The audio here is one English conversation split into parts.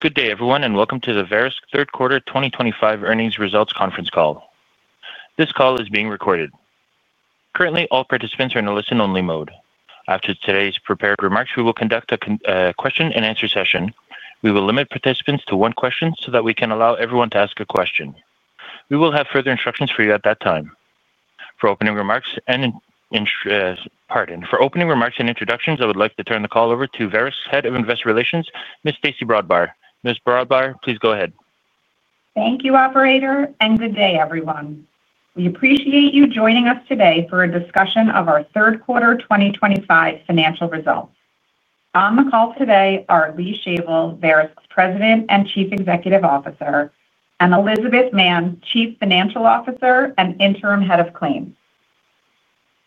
Good day, everyone, and Welcome to the Verisk Third Quarter 2025 earnings results conference call. This call is being recorded. Currently, all participants are in a listen-only mode. After today's prepared remarks, we will conduct a question and answer session. We will limit participants to one question so that we can allow everyone to ask a question. We will have further instructions for you at that time. For opening remarks and introductions, I would like to turn the call over to Verisk's Head of Investor Relations, Ms. Stacey Brodbar. Ms. Brodbar, please go ahead. Thank you, operator, and good day, everyone. We appreciate you joining us today for a discussion of our third quarter 2025 financial results. On the call today are Lee Shavel, Verisk's President and Chief Executive Officer, and Elizabeth Mann, Chief Financial Officer and Interim Head of Claims.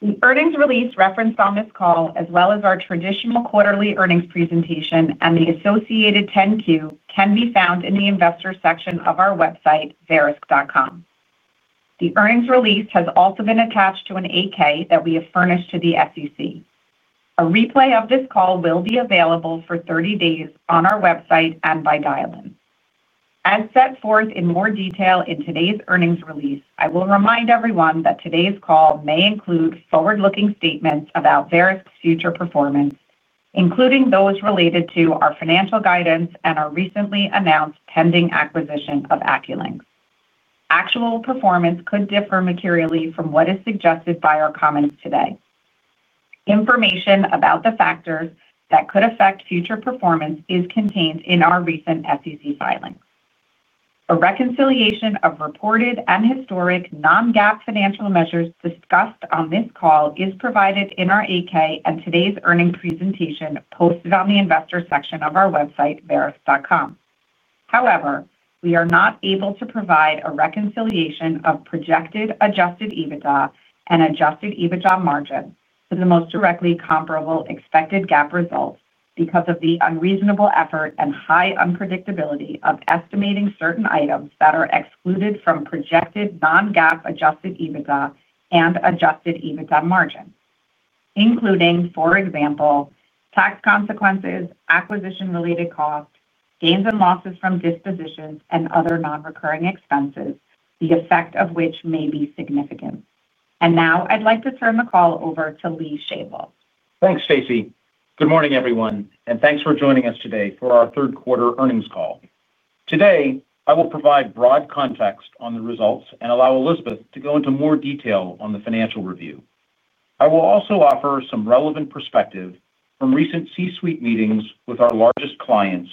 The earnings release referenced on this call, as well as our traditional quarterly earnings presentation and the associated 10-Q, can be found in the investors section of our website, verisk.com. The earnings release has also been attached to an 8-K that we have furnished to the SEC. A replay of this call will be available for 30 days on our website and by dial-in. As set forth in more detail in today's earnings release, I will remind everyone that today's call may include forward-looking statements about Verisk's future performance, including those related to our financial guidance and our recently announced pending acquisition of AccuLynx. Actual performance could differ materially from what is suggested by our comments today. Information about the factors that could affect future performance is contained in our recent SEC filings. A reconciliation of reported and historic non-GAAP financial measures discussed on this call is provided in our 8-K and today's earnings presentation posted on the investors section of our website, verisk.com. However, we are not able to provide a reconciliation of projected adjusted EBITDA and adjusted EBITDA margin to the most directly comparable expected GAAP results because of the unreasonable effort and high unpredictability of estimating certain items that are excluded from projected non-GAAP adjusted EBITDA and adjusted EBITDA margins, including, for example, tax consequences, acquisition-related costs, gains and losses from dispositions, and other non-recurring expenses, the effect of which may be significant. Now I'd like to turn the call over to Lee Shavel. Thanks, Stacey. Good morning, everyone, and thanks for joining us today for our third quarter earnings call. Today, I will provide broad context on the results and allow Elizabeth to go into more detail on the financial review. I will also offer some relevant perspective from recent C-suite meetings with our largest clients.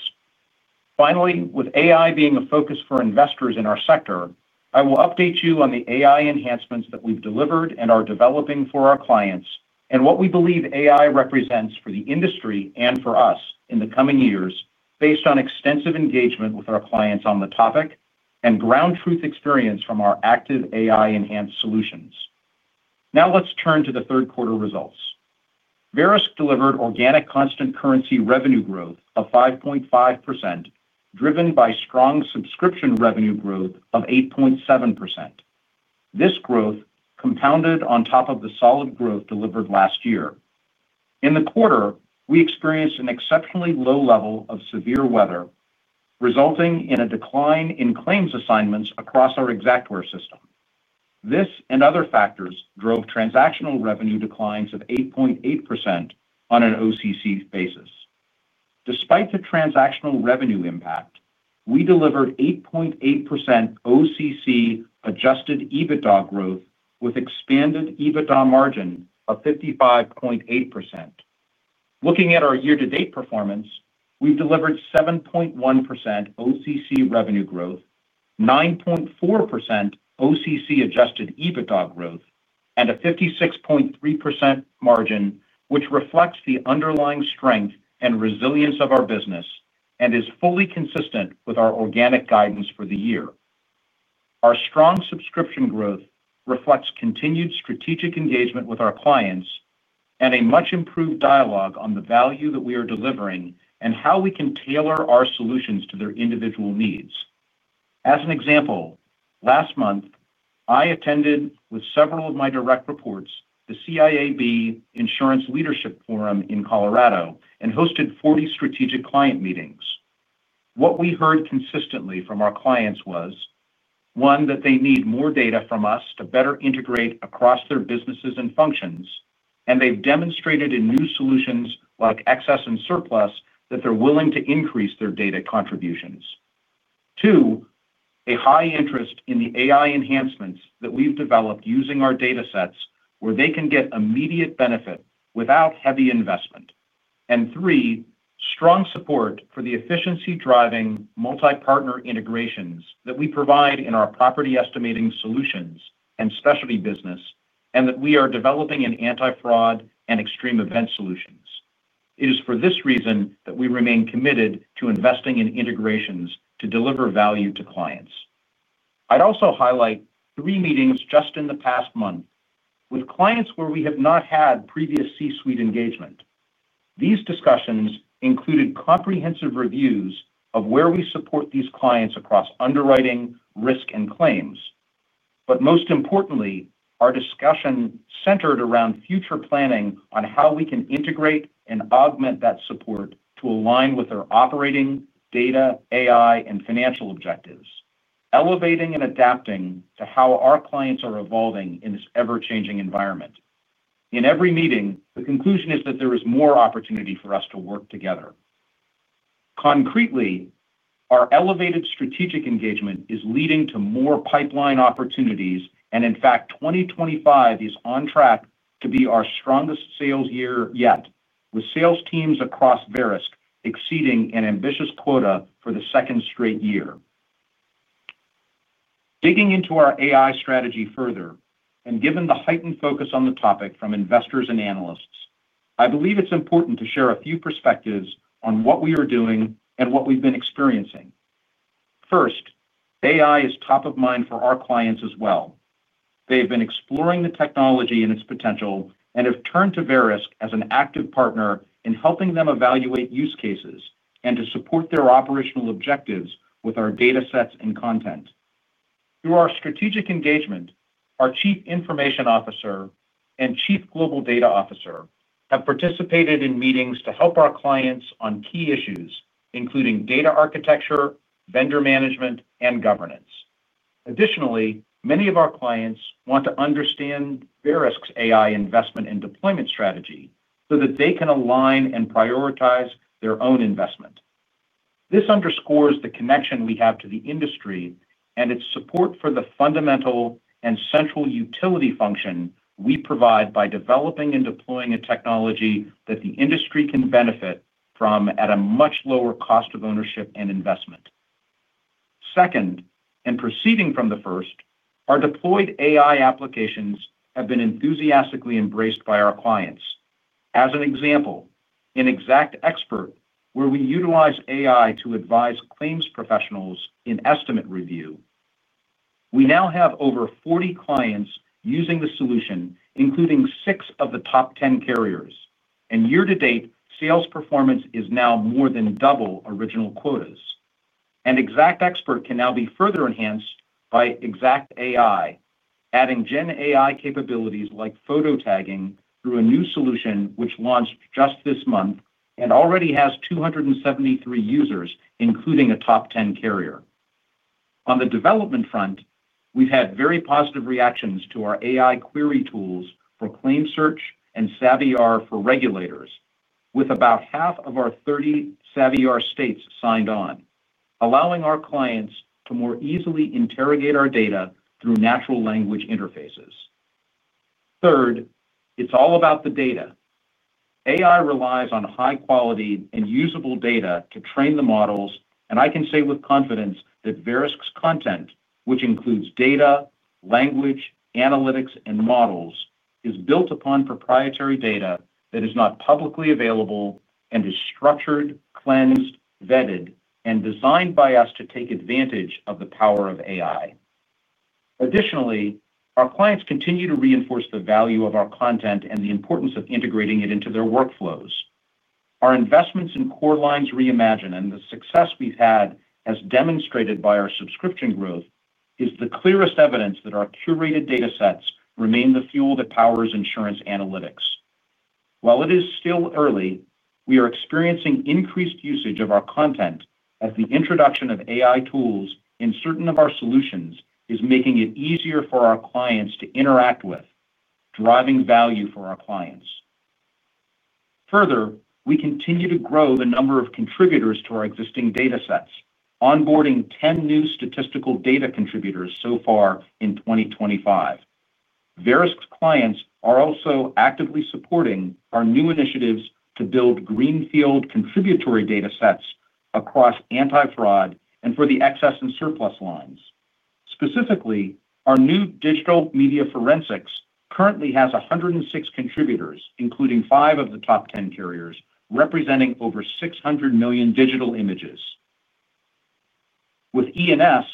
Finally, with AI being a focus for investors in our sector, I will update you on the AI enhancements that we've delivered and are developing for our clients and what we believe AI represents for the industry and for us in the coming years based on extensive engagement with our clients on the topic and ground truth experience from our active AI-enhanced solutions. Now let's turn to the third quarter results. Verisk delivered organic constant currency revenue growth of 5.5%, driven by strong subscription revenue growth of 8.7%. This growth compounded on top of the solid growth delivered last year. In the quarter, we experienced an exceptionally low level of severe weather, resulting in a decline in claims assignments across our Xactware system. This and other factors drove transactional revenue declines of 8.8% on an OCC basis. Despite the transactional revenue impact, we delivered 8.8% OCC adjusted EBITDA growth with expanded EBITDA margin of 55.8%. Looking at our year-to-date performance, we've delivered 7.1% OCC revenue growth, 9.4% OCC adjusted EBITDA growth, and a 56.3% margin, which reflects the underlying strength and resilience of our business and is fully consistent with our organic guidance for the year. Our strong subscription growth reflects continued strategic engagement with our clients and a much improved dialogue on the value that we are delivering and how we can tailor our solutions to their individual needs. As an example, last month, I attended, with several of my direct reports, the CIAB Insurance Leadership Forum in Colorado and hosted 40 strategic client meetings. What we heard consistently from our clients was, one, that they need more data from us to better integrate across their businesses and functions, and they've demonstrated in new solutions like excess and surplus lines that they're willing to increase their data contributions. Two, a high interest in the AI enhancements that we've developed using our proprietary data sets where they can get immediate benefit without heavy investment. Three, strong support for the efficiency-driving multi-partner integrations that we provide in our property estimating solutions and specialty business, and that we are developing in anti-fraud and extreme event solutions. It is for this reason that we remain committed to investing in integrations to deliver value to clients. I would also highlight three meetings just in the past month with clients where we have not had previous C-suite engagement. These discussions included comprehensive reviews of where we support these clients across underwriting, risk, and claims. Most importantly, our discussion centered around future planning on how we can integrate and augment that support to align with our operating data, AI, and financial objectives, elevating and adapting to how our clients are evolving in this ever-changing environment. In every meeting, the conclusion is that there is more opportunity for us to work together. Concretely, our elevated strategic engagement is leading to more pipeline opportunities. In fact, 2025 is on track to be our strongest sales year yet, with sales teams across Verisk exceeding an ambitious quota for the second straight year. Digging into our AI strategy further, and given the heightened focus on the topic from investors and analysts, I believe it's important to share a few perspectives on what we are doing and what we've been experiencing. First, AI is top of mind for our clients as well. They have been exploring the technology and its potential and have turned to Verisk as an active partner in helping them evaluate use cases and to support their operational objectives with our data sets and content. Through our strategic engagement, our Chief Information Officer and Chief Global Data Officer have participated in meetings to help our clients on key issues, including data architecture, vendor management, and governance. Additionally, many of our clients want to understand Verisk's AI investment and deployment strategy so that they can align and prioritize their own investment. This underscores the connection we have to the industry and its support for the fundamental and central utility function we provide by developing and deploying a technology that the industry can benefit from at a much lower cost of ownership and investment. Second, and proceeding from the first, our deployed AI applications have been enthusiastically embraced by our clients. As an example, in XactXpert, where we utilize AI to advise claims professionals in estimate review, we now have over 40 clients using the solution, including six of the top 10 carriers. Year-to-date, sales performance is now more than double original quotas. XactXpert can now be further enhanced by Xact AI, adding GenAI capabilities like photo tagging through a new solution which launched just this month and already has 273 users, including a top 10 carrier. On the development front, we've had very positive reactions to our AI query tools for claim search and Savviar for regulators, with about half of our 30 Savviar states signed on, allowing our clients to more easily interrogate our data through natural language interfaces. Third, it's all about the data. AI relies on high-quality and usable data to train the models, and I can say with confidence that Verisk's content, which includes data, language, analytics, and models, is built upon proprietary data that is not publicly available and is structured, cleansed, vetted, and designed by us to take advantage of the power of AI. Additionally, our clients continue to reinforce the value of our content and the importance of integrating it into their workflows. Our investments in Core Lines Reimagine, and the success we've had, as demonstrated by our subscription growth, is the clearest evidence that our curated data sets remain the fuel that powers insurance analytics. While it is still early, we are experiencing increased usage of our content as the introduction of AI tools in certain of our solutions is making it easier for our clients to interact with, driving value for our clients. Further, we continue to grow the number of contributors to our existing data sets, onboarding 10 new statistical data contributors so far in 2025. Verisk's clients are also actively supporting our new initiatives to build greenfield contributory data sets across anti-fraud and for the excess and surplus lines. Specifically, our new digital media forensics currently has 106 contributors, including five of the top 10 carriers, representing over 600 million digital images. With ENS,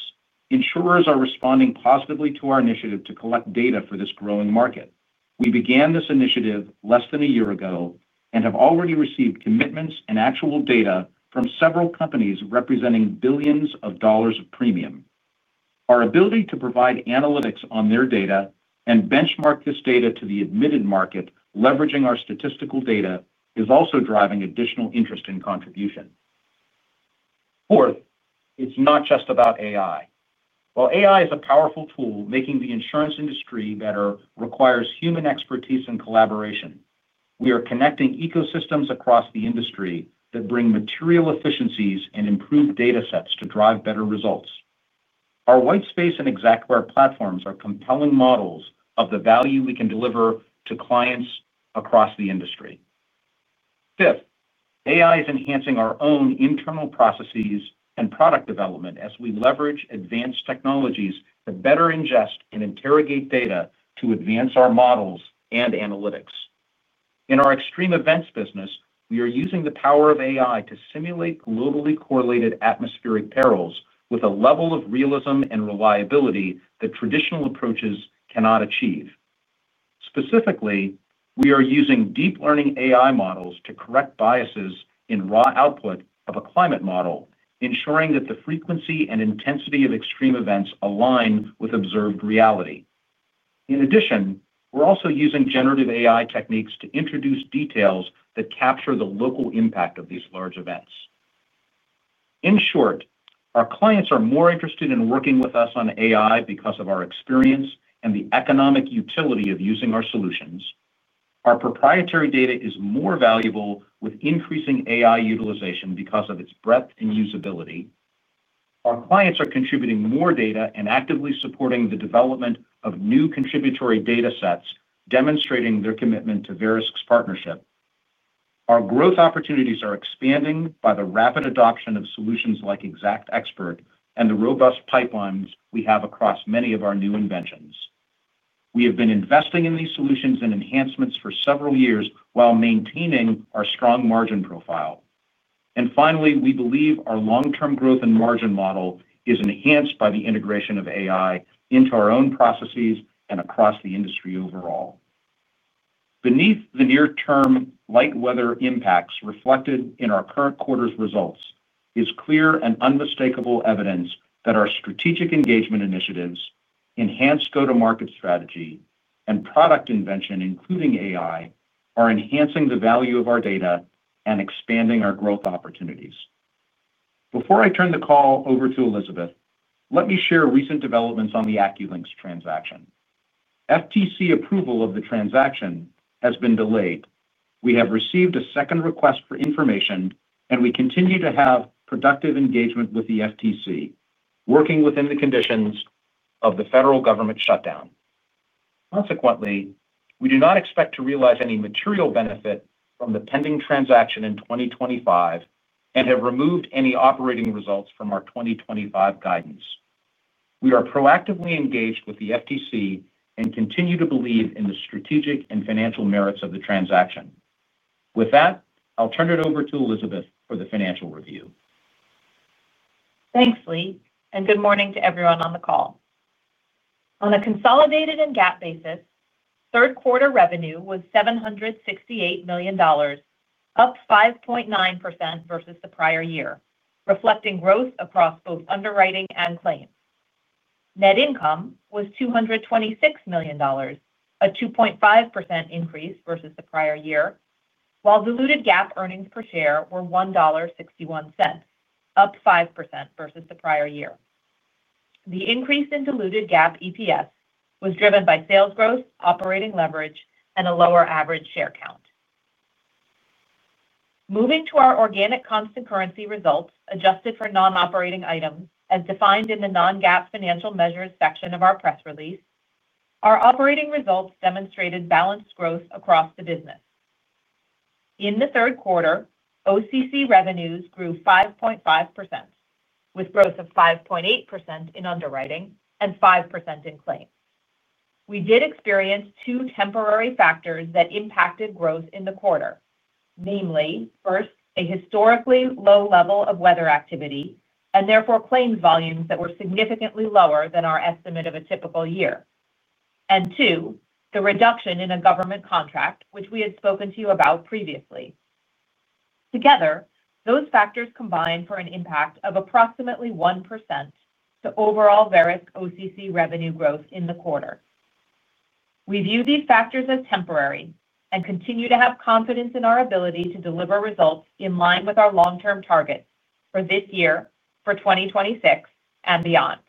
insurers are responding positively to our initiative to collect data for this growing market. We began this initiative less than a year ago and have already received commitments and actual data from several companies representing billions of dollars of premium. Our ability to provide analytics on their data and benchmark this data to the admitted market, leveraging our statistical data, is also driving additional interest in contribution. Fourth, it's not just about AI. While AI is a powerful tool making the insurance industry better, it requires human expertise and collaboration. We are connecting ecosystems across the industry that bring material efficiencies and improved data sets to drive better results. Our white space and Xactware platforms are compelling models of the value we can deliver to clients across the industry. Fifth, AI is enhancing our own internal processes and product development as we leverage advanced technologies to better ingest and interrogate data to advance our models and analytics. In our extreme events business, we are using the power of AI to simulate globally correlated atmospheric perils with a level of realism and reliability that traditional approaches cannot achieve. Specifically, we are using deep learning AI models to correct biases in raw output of a climate model, ensuring that the frequency and intensity of extreme events align with observed reality. In addition, we're also using generative AI techniques to introduce details that capture the local impact of these large events. In short, our clients are more interested in working with us on AI because of our experience and the economic utility of using our solutions. Our proprietary data is more valuable with increasing AI utilization because of its breadth and usability. Our clients are contributing more data and actively supporting the development of new contributory data sets, demonstrating their commitment to Verisk's partnership. Our growth opportunities are expanding by the rapid adoption of solutions like XactXpert and the robust pipelines we have across many of our new inventions. We have been investing in these solutions and enhancements for several years while maintaining our strong margin profile. We believe our long-term growth and margin model is enhanced by the integration of AI into our own processes and across the industry overall. Beneath the near-term light weather impacts reflected in our current quarter's results is clear and unmistakable evidence that our strategic engagement initiatives, enhanced go-to-market strategy, and product invention, including AI, are enhancing the value of our data and expanding our growth opportunities. Before I turn the call over to Elizabeth, let me share recent developments on the AccuLynx transaction. FTC approval of the transaction has been delayed. We have received a second request for information, and we continue to have productive engagement with the FTC, working within the conditions of the federal government shutdown. Consequently, we do not expect to realize any material benefit from the pending transaction in 2025 and have removed any operating results from our 2025 guidance. We are proactively engaged with the FTC and continue to believe in the strategic and financial merits of the transaction. With that, I'll turn it over to Elizabeth for the financial review. Thanks, Lee, and good morning to everyone on the call. On a consolidated and GAAP basis, third quarter revenue was $768 million, up 5.9% versus the prior year, reflecting growth across both underwriting and claims. Net income was $226 million, a 2.5% increase versus the prior year, while diluted GAAP earnings per share were $1.61, up 5% versus the prior year. The increase in diluted GAAP EPS was driven by sales growth, operating leverage, and a lower average share count. Moving to our organic constant currency results adjusted for non-operating items, as defined in the non-GAAP financial measures section of our press release, our operating results demonstrated balanced growth across the business. In the third quarter, OCC revenues grew 5.5%, with growth of 5.8% in underwriting and 5% in claims. We did experience two temporary factors that impacted growth in the quarter, namely, first, a historically low level of weather activity and therefore claims volumes that were significantly lower than our estimate of a typical year, and two, the reduction in a government contract, which we had spoken to you about previously. Together, those factors combined for an impact of approximately 1% to overall Verisk OCC revenue growth in the quarter. We view these factors as temporary and continue to have confidence in our ability to deliver results in line with our long-term targets for this year, for 2026, and beyond.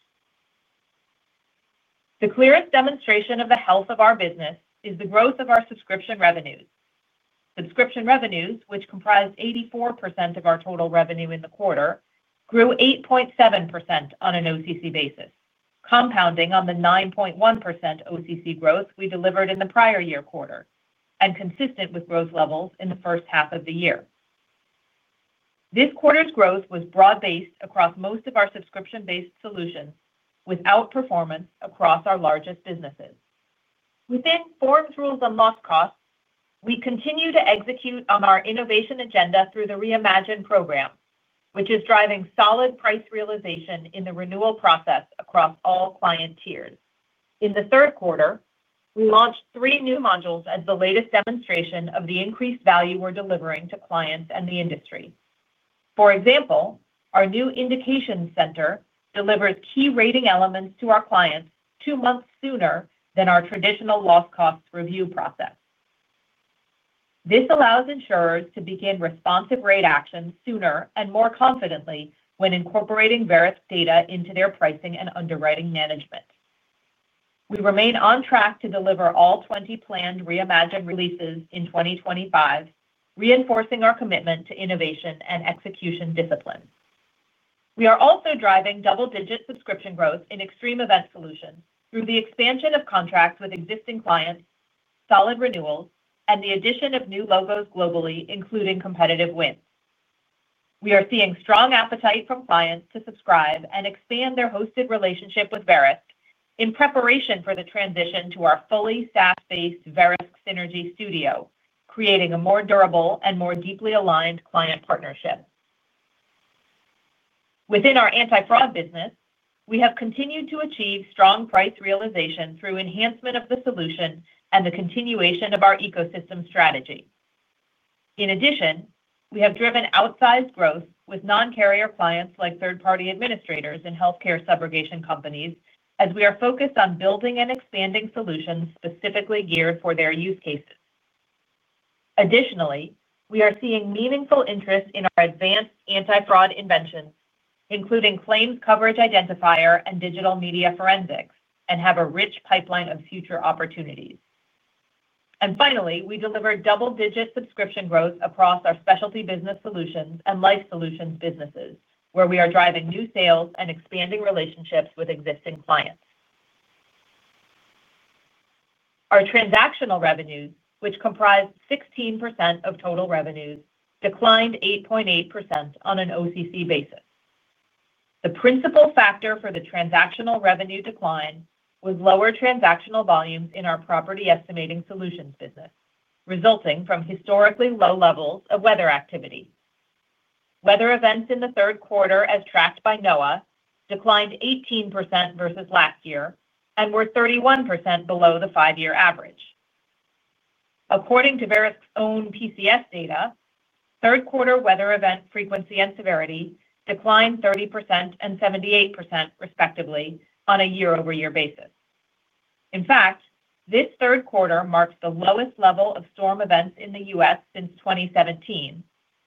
The clearest demonstration of the health of our business is the growth of our subscription revenues. Subscription revenues, which comprise 84% of our total revenue in the quarter, grew 8.7% on an OCC basis, compounding on the 9.1% OCC growth we delivered in the prior year quarter and consistent with growth levels in the first half of the year. This quarter's growth was broad-based across most of our subscription-based solutions with outperformance across our largest businesses. Within forms, rules, and loss costs, we continue to execute on our innovation agenda through the reimagined program, which is driving solid price realization in the renewal process across all client tiers. In the third quarter, we launched three new modules as the latest demonstration of the increased value we're delivering to clients and the industry. For example, our new indication center delivers key rating elements to our clients two months sooner than our traditional loss cost review process. This allows insurers to begin responsive rate action sooner and more confidently when incorporating Verisk data into their pricing and underwriting management. We remain on track to deliver all 20 planned reimagined releases in 2025, reinforcing our commitment to innovation and execution discipline. We are also driving double-digit subscription growth in extreme event solutions through the expansion of contracts with existing clients, solid renewals, and the addition of new logos globally, including competitive wins. We are seeing strong appetite from clients to subscribe and expand their hosted relationship with Verisk in preparation for the transition to our fully SaaS-based Verisk Synergy Studio, creating a more durable and more deeply aligned client partnership. Within our anti-fraud business, we have continued to achieve strong price realization through enhancement of the solution and the continuation of our ecosystem strategy. In addition, we have driven outsized growth with non-carrier clients like third-party administrators and healthcare subrogation companies, as we are focused on building and expanding solutions specifically geared for their use cases. Additionally, we are seeing meaningful interest in our advanced anti-fraud inventions, including claims coverage identifier and digital media forensics, and have a rich pipeline of future opportunities. Finally, we deliver double-digit subscription growth across our specialty business solutions and life solutions businesses, where we are driving new sales and expanding relationships with existing clients. Our transactional revenues, which comprise 16% of total revenues, declined 8.8% on an OCC basis. The principal factor for the transactional revenue decline was lower transactional volumes in our property estimating solutions business, resulting from historically low levels of weather activity. Weather events in the third quarter, as tracked by NOAA, declined 18% versus last year and were 31% below the five-year average. According to Verisk's own PCS data, third quarter weather event frequency and severity declined 30% and 78%, respectively, on a year-over-year basis. In fact, this third quarter marks the lowest level of storm events in the U.S. since 2017,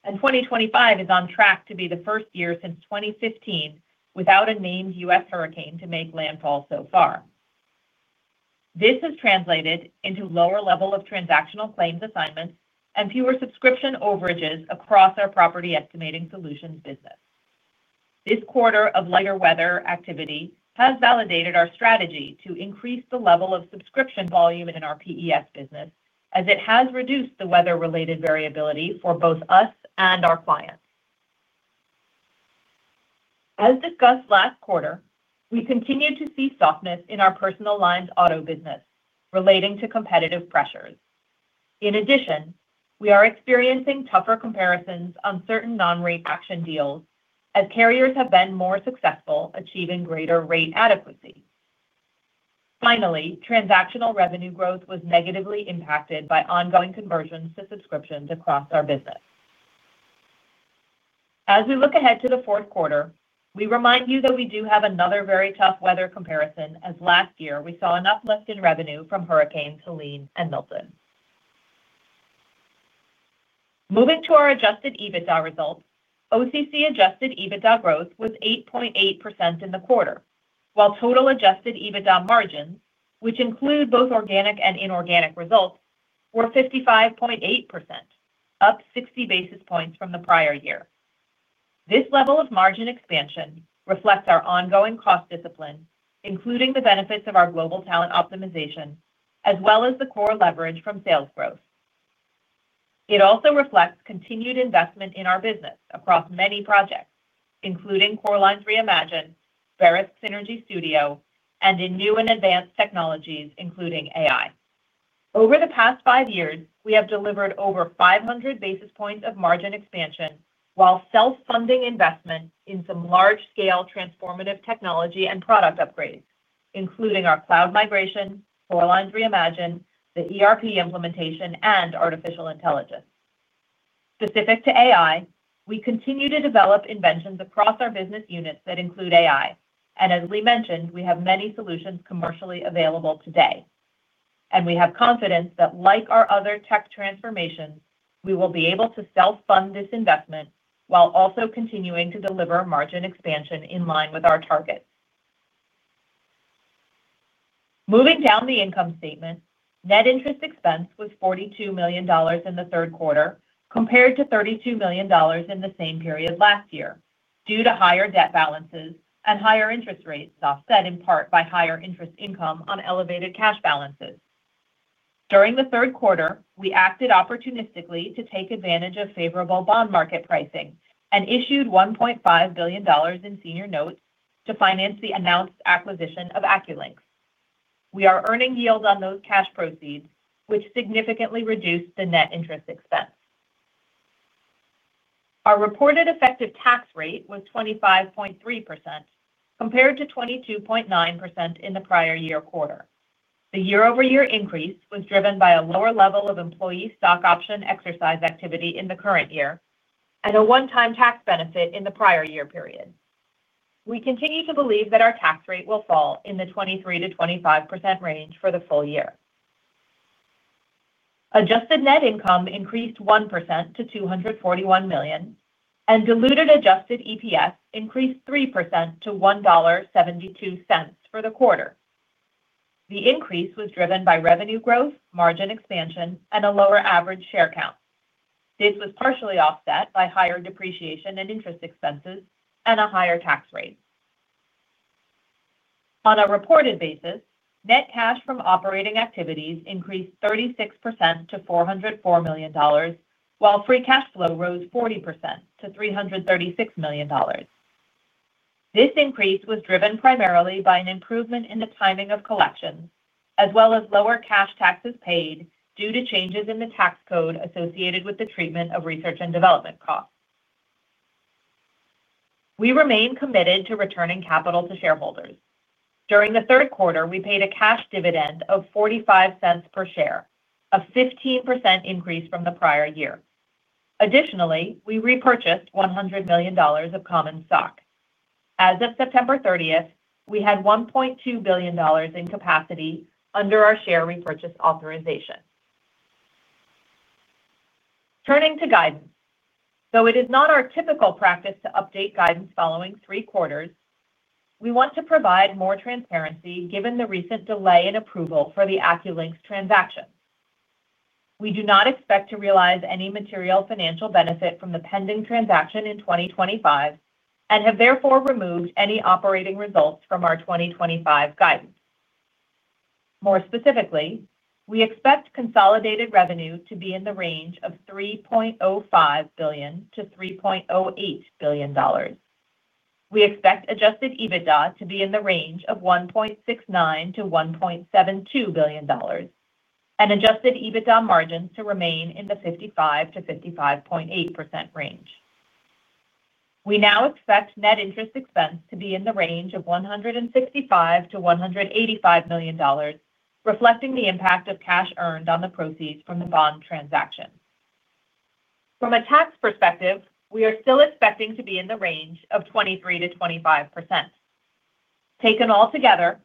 and 2025 is on track to be the first year since 2015 without a named U.S. hurricane to make landfall so far. This has translated into a lower level of transactional claims assignments and fewer subscription overages across our property estimating solutions business. This quarter of lighter weather activity has validated our strategy to increase the level of subscription volume in our PES business, as it has reduced the weather-related variability for both us and our clients. As discussed last quarter, we continue to see softness in our personal lines auto business relating to competitive pressures. In addition, we are experiencing tougher comparisons on certain non-rate action deals as carriers have been more successful achieving greater rate adequacy. Finally, transactional revenue growth was negatively impacted by ongoing conversions to subscriptions across our business. As we look ahead to the fourth quarter, we remind you that we do have another very tough weather comparison, as last year we saw enough lift in revenue from hurricanes Helene and Milton. Moving to our Adjusted EBITDA results, OCC Adjusted EBITDA growth was 8.8% in the quarter, while total Adjusted EBITDA margins, which include both organic and inorganic results, were 55.8%, up 60 basis points from the prior year. This level of margin expansion reflects our ongoing cost discipline, including the benefits of our global talent optimization, as well as the core leverage from sales growth. It also reflects continued investment in our business across many projects, including Core Lines Reimagine, Verisk Synergy Studio, and in new and advanced technologies, including AI. Over the past five years, we have delivered over 500 basis points of margin expansion while self-funding investment in some large-scale transformative technology and product upgrades, including our cloud migration, Core Lines Reimagine, the ERP implementation, and artificial intelligence. Specific to AI, we continue to develop inventions across our business units that include AI, and as Lee mentioned, we have many solutions commercially available today. We have confidence that, like our other tech transformations, we will be able to self-fund this investment while also continuing to deliver margin expansion in line with our targets. Moving down the income statement, net interest expense was $42 million in the third quarter, compared to $32 million in the same period last year, due to higher debt balances and higher interest rates offset in part by higher interest income on elevated cash balances. During the third quarter, we acted opportunistically to take advantage of favorable bond market pricing and issued $1.5 billion in senior notes to finance the announced acquisition of AccuLynx. We are earning yield on those cash proceeds, which significantly reduced the net interest expense. Our reported effective tax rate was 25.3% compared to 22.9% in the prior year quarter. The year-over-year increase was driven by a lower level of employee stock option exercise activity in the current year and a one-time tax benefit in the prior year period. We continue to believe that our tax rate will fall in the 23% - 25% range for the full year. Adjusted net income increased 1% to $241 million, and diluted Adjusted EPS increased 3% to $1.72 for the quarter. The increase was driven by revenue growth, margin expansion, and a lower average share count. This was partially offset by higher depreciation and interest expenses and a higher tax rate. On a reported basis, net cash from operating activities increased 36% to $404 million, while free cash flow rose 40% to $336 million. This increase was driven primarily by an improvement in the timing of collections, as well as lower cash taxes paid due to changes in the tax code associated with the treatment of research and development costs. We remain committed to returning capital to shareholders. During the third quarter, we paid a cash dividend of $0.45 per share, a 15% increase from the prior year. Additionally, we repurchased $100 million of common stock. As of September 30th, we had $1.2 billion in capacity under our share repurchase authorization. Turning to guidance, though it is not our typical practice to update guidance following three quarters, we want to provide more transparency given the recent delay in approval for the AccuLynx transaction. We do not expect to realize any material financial benefit from the pending transaction in 2025 and have therefore removed any operating results from our 2025 guidance. More specifically, we expect consolidated revenue to be in the range of $3.05 billion - $3.08 billion. We expect Adjusted EBITDA to be in the range of $1.69 billion - $1.72 billion, and Adjusted EBITDA margins to remain in the 55% - 55.8% range. We now expect net interest expense to be in the range of $165 million - $185 million, reflecting the impact of cash earned on the proceeds from the bond transaction. From a tax perspective, we are still expecting to be in the range of 23% - 25%. Taken all together,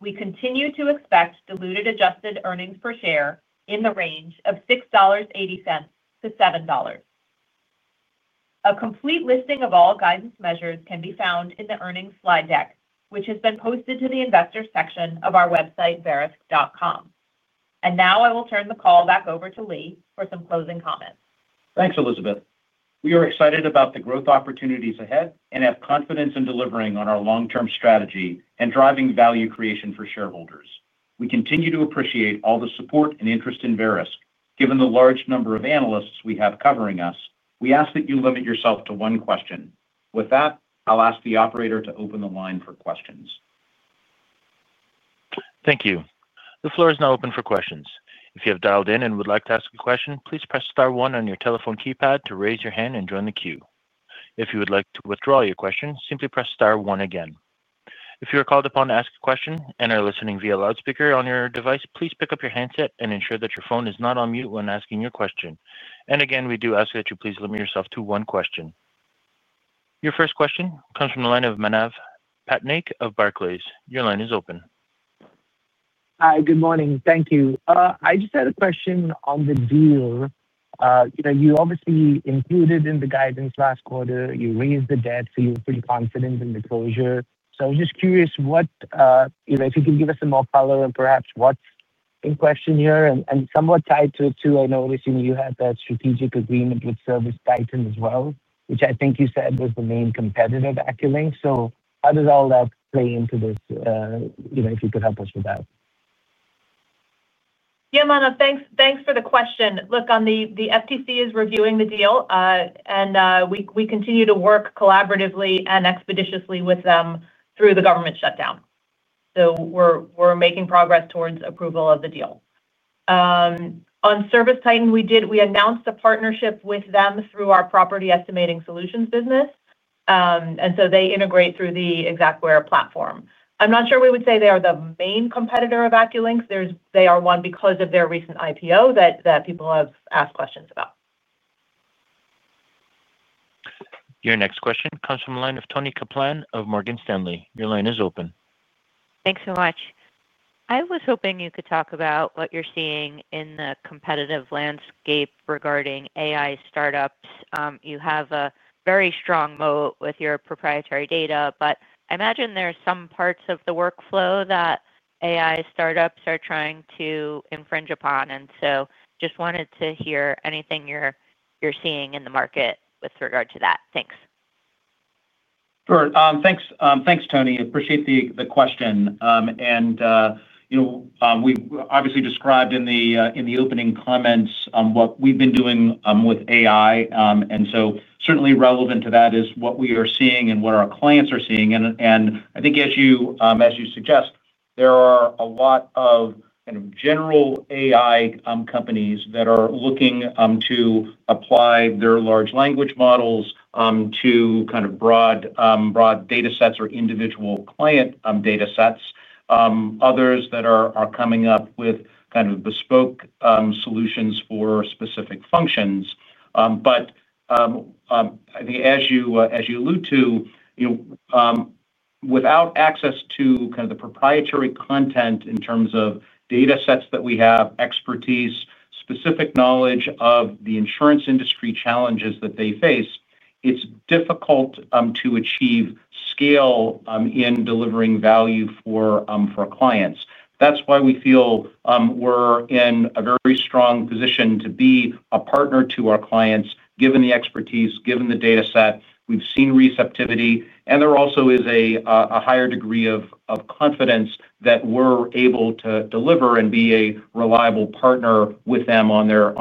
we continue to expect diluted adjusted earnings per share in the range of $6.80 - $7.00. A complete listing of all guidance measures can be found in the earnings slide deck, which has been posted to the investors section of our website, verisk.com. I will turn the call back over to Lee for some closing comments. Thanks, Elizabeth. We are excited about the growth opportunities ahead and have confidence in delivering on our long-term strategy and driving value creation for shareholders. We continue to appreciate all the support and interest in Verisk. Given the large number of analysts we have covering us, we ask that you limit yourself to one question. With that, I'll ask the operator to open the line for questions. Thank you. The floor is now open for questions. If you have dialed in and would like to ask a question, please press star one on your telephone keypad to raise your hand and join the queue. If you would like to withdraw your question, simply press star one again. If you are called upon to ask a question and are listening via loudspeaker on your device, please pick up your handset and ensure that your phone is not on mute when asking your question. We do ask that you please limit yourself to one question. Your first question comes from the line of Manav Patnaik of Barclays. Your line is open. Hi, good morning. Thank you. I just had a question on the deal. You obviously included it in the guidance last quarter. You raised the debt, so you're pretty confident in the closure. I was just curious if you could give us some more color and perhaps what's in question here. Somewhat tied to it too, I noticed you had that strategic agreement with ServiceTitan as well, which I think you said was the main competitor of AccuLynx. How does all that play into this? If you could help us with that. Yeah, Manav, thanks for the question. The FTC is reviewing the deal, and we continue to work collaboratively and expeditiously with them through the government shutdown. We're making progress towards approval of the deal. On Service Titan, we announced a partnership with them through our property estimating solutions business, and they integrate through the Xactware platform. I'm not sure we would say they are the main competitor of AccuLynx. They are one because of their recent IPO that people have asked questions about. Your next question comes from the line of Toni Kaplan of Morgan Stanley. Your line is open. Thanks so much. I was hoping you could talk about what you're seeing in the competitive landscape regarding AI startups. You have a very strong moat with your proprietary data, but I imagine there are some parts of the workflow that AI startups are trying to infringe upon. I just wanted to hear anything you're seeing in the market with regard to that. Thanks. Sure. Thanks, Toni. I appreciate the question. You know we obviously described in the opening comments what we've been doing with AI. Certainly relevant to that is what we are seeing and what our clients are seeing. I think, as you suggest, there are a lot of kind of general AI companies that are looking to apply their large language models to kind of broad data sets or individual client data sets. Others are coming up with kind of bespoke solutions for specific functions. I think, as you alluded to, without access to kind of the proprietary content in terms of data sets that we have, expertise, specific knowledge of the insurance industry challenges that they face, it's difficult to achieve scale in delivering value for clients. That's why we feel we're in a very strong position to be a partner to our clients, given the expertise, given the data set. We've seen receptivity, and there also is a higher degree of confidence that we're able to deliver and be a reliable partner with them on their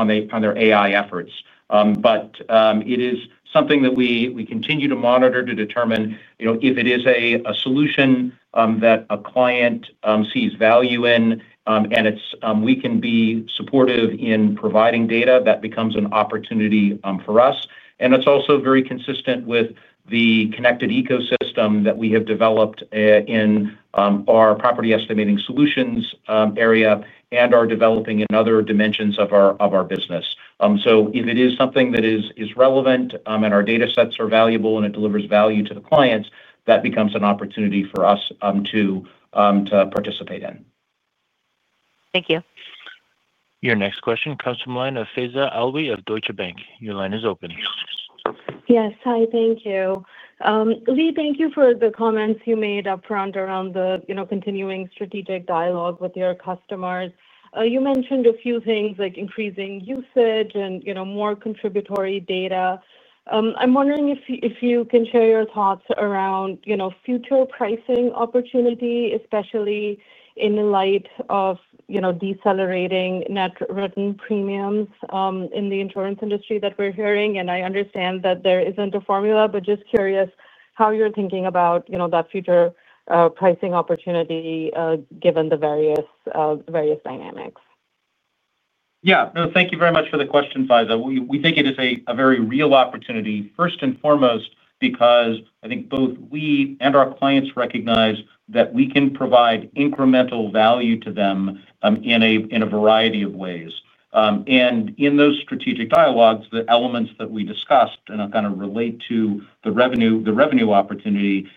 AI efforts. It is something that we continue to monitor to determine if it is a solution that a client sees value in, and we can be supportive in providing data. That becomes an opportunity for us. It is also very consistent with the connected ecosystem that we have developed in our property estimating solutions area and are developing in other dimensions of our business. If it is something that is relevant and our data sets are valuable and it delivers value to the clients, that becomes an opportunity for us to participate in. Thank you. Your next question comes from the line of Faiza Alwy of Deutsche Bank. Your line is open. Yes. Hi, thank you. Lee, thank you for the comments you made upfront around the continuing strategic dialogue with your customers. You mentioned a few things like increasing usage and more contributory data. I'm wondering if you can share your thoughts around future pricing opportunity, especially in the light of decelerating net written premiums in the insurance industry that we're hearing. I understand that there isn't a formula, but just curious how you're thinking about that future pricing opportunity given the various dynamics. Yeah. No, thank you very much for the question, Faiza. We think it is a very real opportunity, first and foremost, because I think both we and our clients recognize that we can provide incremental value to them in a variety of ways. In those strategic dialogues, the elements that we discussed and kind of relate to the revenue opportunity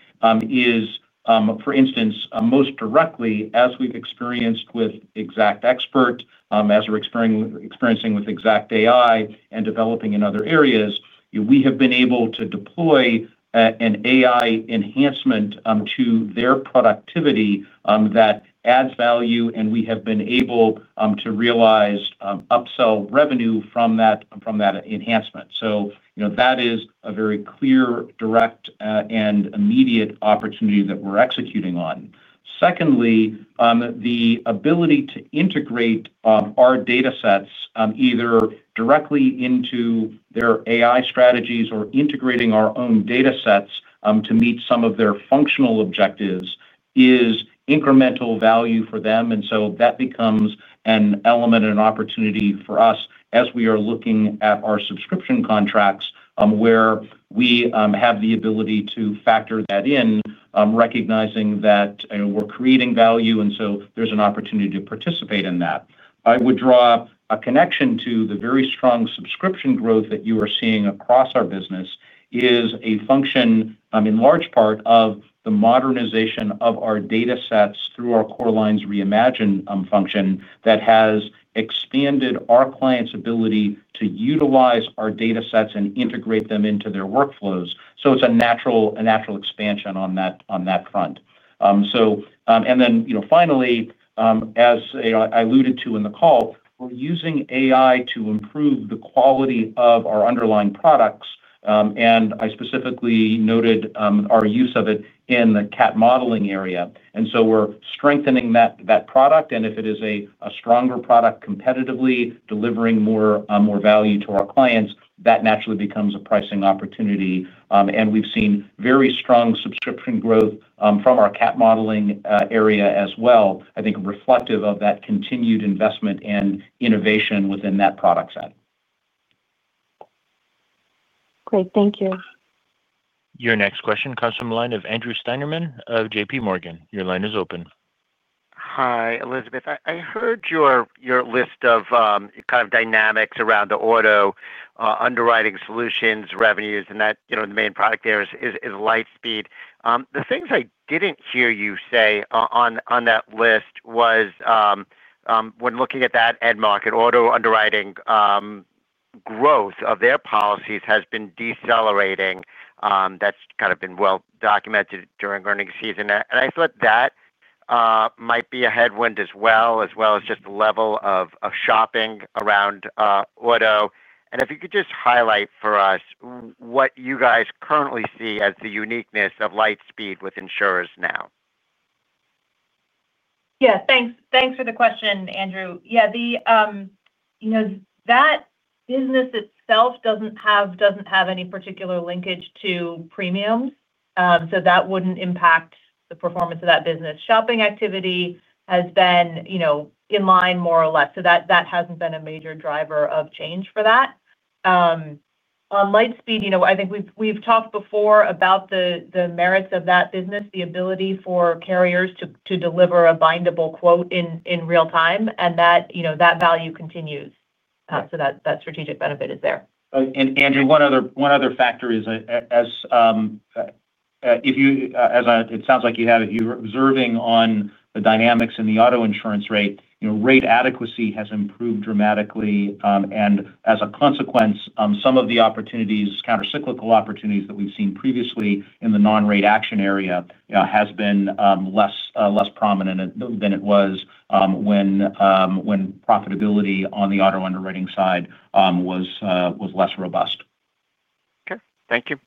is, for instance, most directly, as we've experienced with XactXpert, as we're experiencing with Xact AI and developing in other areas, we have been able to deploy an AI enhancement to their productivity that adds value, and we have been able to realize upsell revenue from that enhancement. That is a very clear, direct, and immediate opportunity that we're executing on. Secondly, the ability to integrate our data sets either directly into their AI strategies or integrating our own data sets to meet some of their functional objectives is incremental value for them. That becomes an element and opportunity for us as we are looking at our subscription contracts where we have the ability to factor that in, recognizing that we're creating value. There is an opportunity to participate in that. I would draw a connection to the very strong subscription growth that you are seeing across our business as a function, in large part, of the modernization of our data sets through our Core Lines Reimagine function that has expanded our clients' ability to utilize our data sets and integrate them into their workflows. It is a natural expansion on that front. Finally, as I alluded to in the call, we're using AI to improve the quality of our underlying products. I specifically noted our use of it in the CAT modeling area. We are strengthening that product. If it is a stronger product competitively delivering more value to our clients, that naturally becomes a pricing opportunity. We've seen very strong subscription growth from our CAT modeling area as well, I think reflective of that continued investment and innovation within that product set. Great. Thank you. Your next question comes from the line of Andrew Steinerman of JPMorgan. Your line is open. Hi, Elizabeth. I heard your list of kind of dynamics around the auto underwriting solutions revenues, and that the main product there is LightSpeed. The things I didn't hear you say on that list was when looking at that end market, auto underwriting growth of their policies has been decelerating. That's kind of been well documented during earnings season. I thought that might be a headwind as well, as well as just the level of shopping around auto. If you could just highlight for us what you guys currently see as the uniqueness of LightSpeed with insurers now. Yeah, thanks for the question, Andrew. The, you know, that business itself doesn't have any particular linkage to premiums. That wouldn't impact the performance of that business. Shopping activity has been, you know, in line more or less. That hasn't been a major driver of change for that. On LightSpeed, I think we've talked before about the merits of that business, the ability for carriers to deliver a bindable quote in real time, and that, you know, that value continues. That strategic benefit is there. Andrew, one other factor is, as it sounds like you have it, you're observing on the dynamics in the auto insurance rate. You know, rate adequacy has improved dramatically. As a consequence, some of the opportunities, countercyclical opportunities that we've seen previously in the non-rate action area, have been less prominent than it was when profitability on the auto underwriting side was less robust. Sure. Thank you.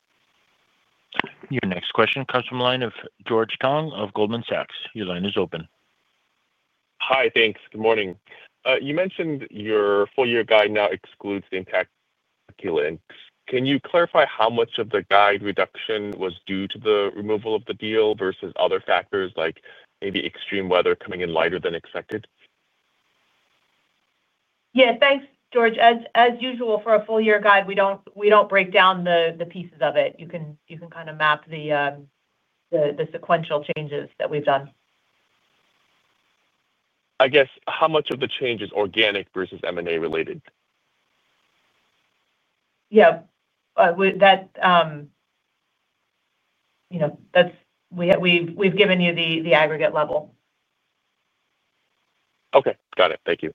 Your next question comes from the line of George Tong of Goldman Sachs. Your line is open. Hi, thanks. Good morning. You mentioned your full-year guide now excludes the impact of AccuLynx. Can you clarify how much of the guide reduction was due to the removal of the deal versus other factors like maybe extreme weather coming in lighter than expected? Yeah, thanks, George. As usual, for a full-year guide, we don't break down the pieces of it. You can kind of map the sequential changes that we've done. I guess how much of the change is organic versus M&A related? Yeah, that's we've given you the aggregate level. Okay. Got it. Thank you.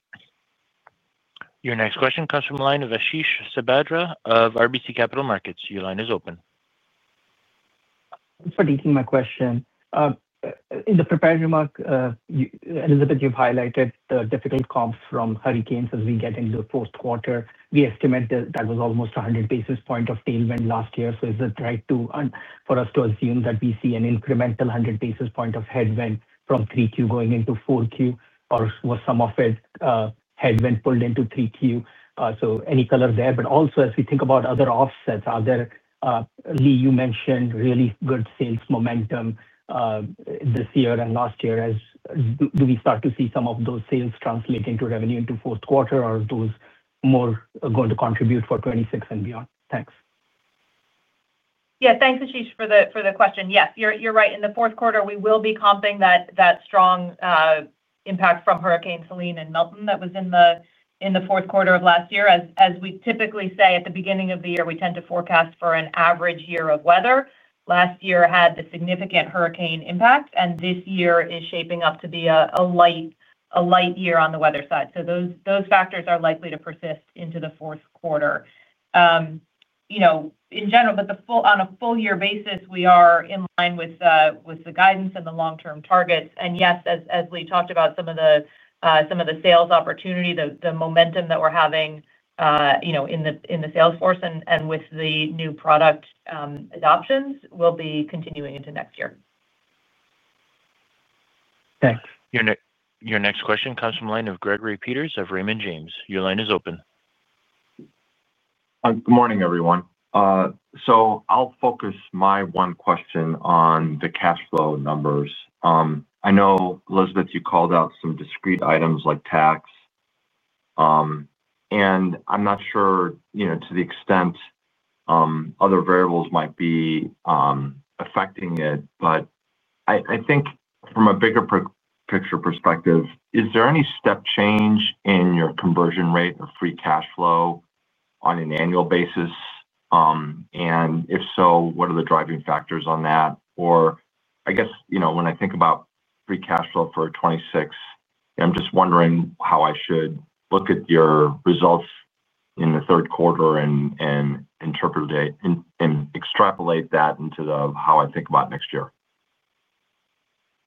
Your next question comes from the line of Ashish Sabadra of RBC Capital Markets. Your line is open. For detailing my question, in the prepared remark, Elizabeth, you've highlighted the difficulty to comp from hurricanes as we get into the fourth quarter. We estimate that was almost 100 basis point of tailwind last year. Is it right for us to assume that we see an incremental 100 basis point of headwind from 3Q going into 4Q, or was some of it headwind pulled into 3Q? Any color there? Also, as we think about other offsets, are there, Lee, you mentioned really good sales momentum this year and last year. Do we start to see some of those sales translate into revenue into fourth quarter, or are those more going to contribute for 2026 and beyond? Thanks. Yeah, thanks, Ashish, for the question. Yes, you're right. In the fourth quarter, we will be comping that strong impact from hurricanes Helene and Milton that was in the fourth quarter of last year. As we typically say at the beginning of the year, we tend to forecast for an average year of weather. Last year had the significant hurricane impact, and this year is shaping up to be a light year on the weather side. Those factors are likely to persist into the fourth quarter. In general, on a full-year basis, we are in line with the guidance and the long-term targets. Yes, as Lee talked about, some of the sales opportunity, the momentum that we're having in the salesforce and with the new product adoptions will be continuing into next year. Thanks. Your next question comes from the line of Gregory Peters of Raymond James. Your line is open. Good morning, everyone. I'll focus my one question on the cash flow numbers. I know, Elizabeth, you called out some discrete items like tax, and I'm not sure, you know, to the extent other variables might be affecting it. I think from a bigger picture perspective, is there any step change in your conversion rate or free cash flow on an annual basis? If so, what are the driving factors on that? I guess, you know, when I think about free cash flow for 2026, I'm just wondering how I should look at your results in the third quarter and extrapolate that into how I think about next year.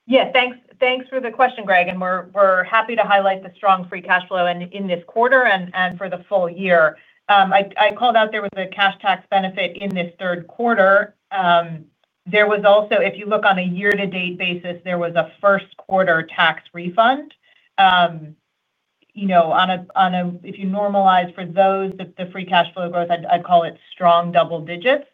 Yeah, thanks for the question, Greg. We're happy to highlight the strong free cash flow in this quarter and for the full year. I called out there was a cash tax benefit in this third quarter. There was also, if you look on a year-to-date basis, a first-quarter tax refund. If you normalize for those, the free cash flow growth, I'd call it strong double digits.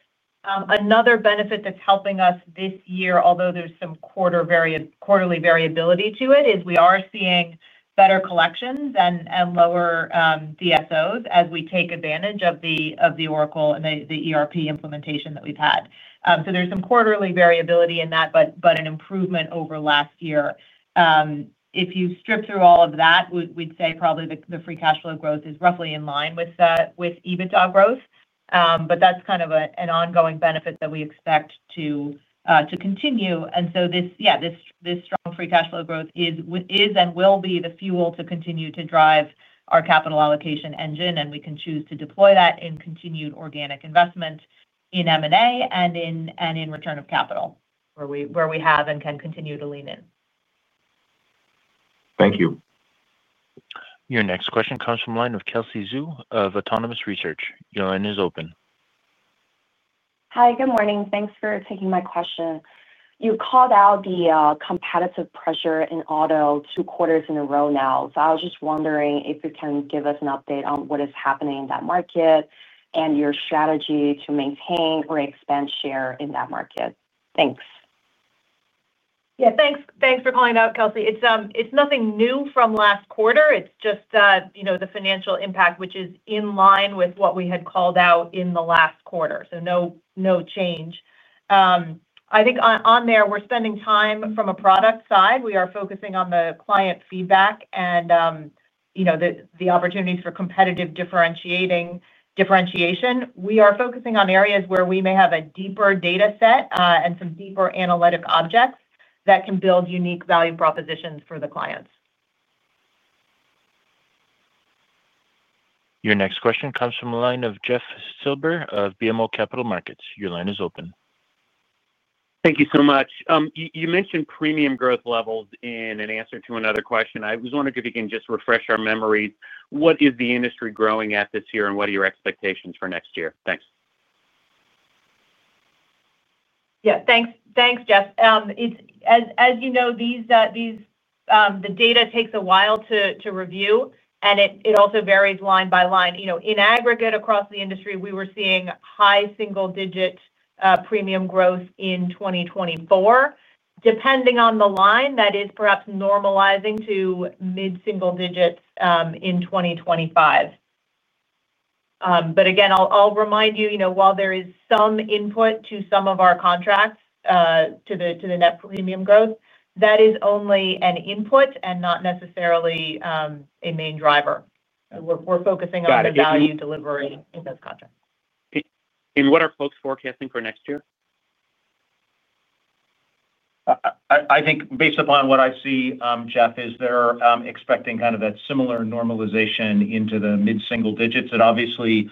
Another benefit that's helping us this year, although there's some quarterly variability to it, is we are seeing better collections and lower DSOs as we take advantage of the Oracle and the ERP implementation that we've had. There's some quarterly variability in that, but an improvement over last year. If you strip through all of that, we'd say probably the free cash flow growth is roughly in line with EBITDA growth. That's kind of an ongoing benefit that we expect to continue. This strong free cash flow growth is and will be the fuel to continue to drive our capital allocation engine, and we can choose to deploy that in continued organic investment in M&A and in return of capital, where we have and can continue to lean in. Thank you. Your next question comes from the line of Kelsey Zhu of Autonomous Research. Your line is open. Hi, good morning. Thanks for taking my question. You called out the competitive pressure in auto two quarters in a row now. I was just wondering if you can give us an update on what is happening in that market and your strategy to maintain or expand share in that market. Thanks. Yeah, thanks for calling out, Kelsey. It's nothing new from last quarter. It's just the financial impact, which is in line with what we had called out in the last quarter. No change. I think on there, we're spending time from a product side. We are focusing on the client feedback and the opportunities for competitive differentiation. We are focusing on areas where we may have a deeper data set and some deeper analytic objects that can build unique value propositions for the clients. Your next question comes from the line of Jeff Silber of BMO Capital Markets. Your line is open. Thank you so much. You mentioned premium growth levels in an answer to another question. I was wondering if you can just refresh our memories. What is the industry growing at this year, and what are your expectations for next year? Thanks. Yeah, thanks, Jeff. As you know, the data takes a while to review, and it also varies line by line. In aggregate across the industry, we were seeing high single-digit premium growth in 2024. Depending on the line, that is perhaps normalizing to mid-single digits in 2025. Again, I'll remind you, while there is some input to some of our contracts to the net premium growth, that is only an input and not necessarily a main driver. We're focusing on the value delivery in those contracts. What are folks forecasting for next year? I think based upon what I see, Jeff, is they're expecting kind of that similar normalization into the mid-single digits. It obviously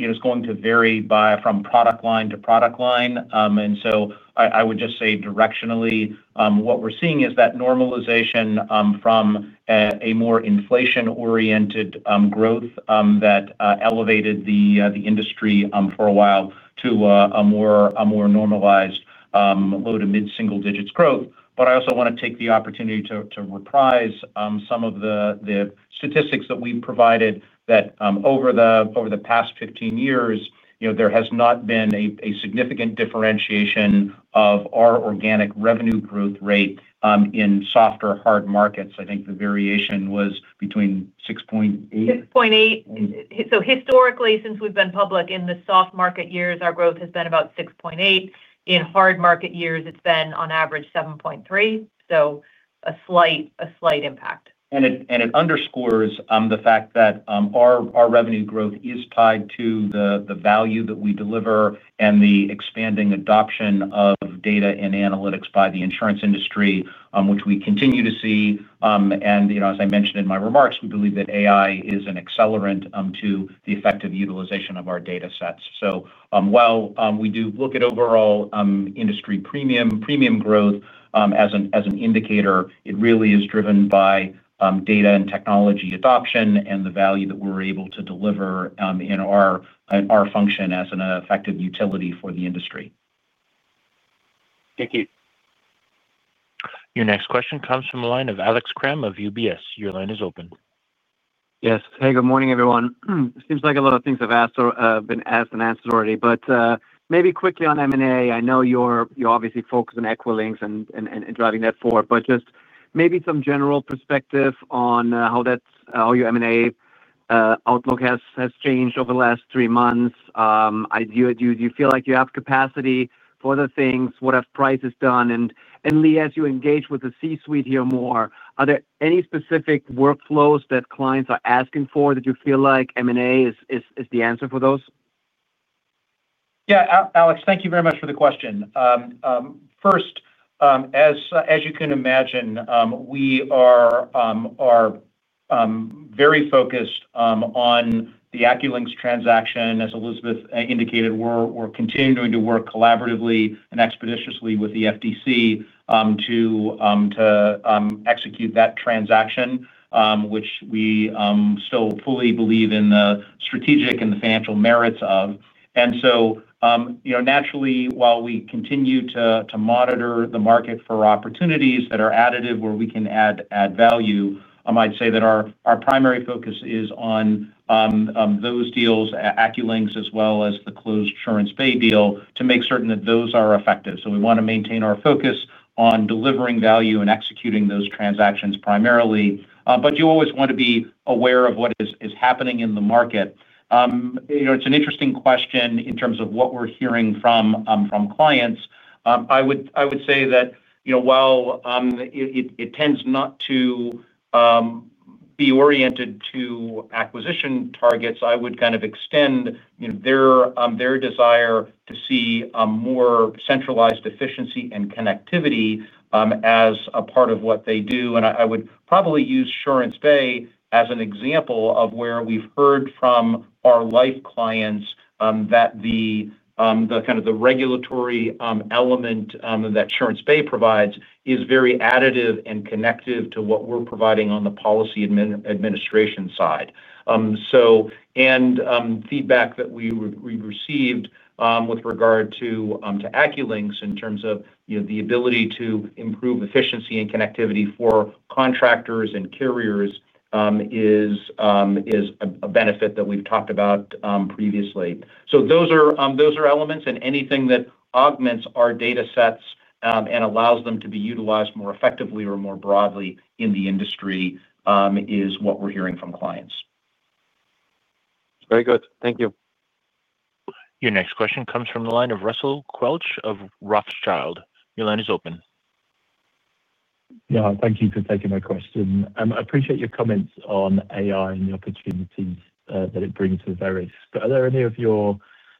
is going to vary from product line to product line. I would just say directionally, what we're seeing is that normalization from a more inflation-oriented growth that elevated the industry for a while to a more normalized low to mid-single digits growth. I also want to take the opportunity to reprise some of the statistics that we've provided that over the past 15 years, you know, there has not been a significant differentiation of our organic revenue growth rate in soft or hard markets. I think the variation was between 6.8%. 6.8%. Historically, since we've been public in the soft market years, our growth has been about 6.8%. In hard market years, it's been on average 7.3%. A slight impact. It underscores the fact that our revenue growth is tied to the value that we deliver and the expanding adoption of data and analytics by the insurance industry, which we continue to see. As I mentioned in my remarks, we believe that AI is an accelerant to the effective utilization of our data sets. While we do look at overall industry premium growth as an indicator, it really is driven by data and technology adoption and the value that we're able to deliver in our function as an effective utility for the industry. Thank you. Your next question comes from the line of Alex Kramm of UBS. Your line is open. Yes. Hey, good morning, everyone. Seems like a lot of things have been asked and answered already, but maybe quickly on M&A. I know you're obviously focused on AccuLynx and driving that forward, but just maybe some general perspective on how your M&A outlook has changed over the last three months. Do you feel like you have capacity for other things? What have prices done? Lee, as you engage with the C-suite here more, are there any specific workflows that clients are asking for that you feel like M&A is the answer for those? Yeah, Alex, thank you very much for the question. First, as you can imagine, we are very focused on the AccuLynx transaction. As Elizabeth indicated, we're continuing to work collaboratively and expeditiously with the FTC to execute that transaction, which we still fully believe in the strategic and the financial merits of. Naturally, while we continue to monitor the market for opportunities that are additive where we can add value, I might say that our primary focus is on those deals, AccuLynx, as well as the closed insurance pay deal, to make certain that those are effective. We want to maintain our focus on delivering value and executing those transactions primarily. You always want to be aware of what is happening in the market. It's an interesting question in terms of what we're hearing from clients. I would say that, while it tends not to be oriented to acquisition targets, I would kind of extend their desire to see more centralized efficiency and connectivity as a part of what they do. I would probably use insurance pay as an example of where we've heard from our life clients that the regulatory element that insurance pay provides is very additive and connective to what we're providing on the policy administration side. Feedback that we received with regard to AccuLynx in terms of the ability to improve efficiency and connectivity for contractors and carriers is a benefit that we've talked about previously. Those are elements, and anything that augments our data sets and allows them to be utilized more effectively or more broadly in the industry is what we're hearing from clients. Very good. Thank you. Your next question comes from the line of Russell Quelch of Rothschild. Your line is open. Thank you for taking my question. I appreciate your comments on AI and the opportunities that it brings to the various, but are there any of your